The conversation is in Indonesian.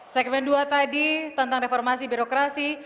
segmen dua tadi tentang reformasi birokrasi